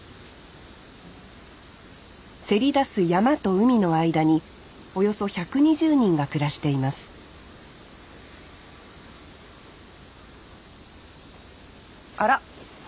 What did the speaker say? せり出す山と海の間におよそ１２０人が暮らしていますあら。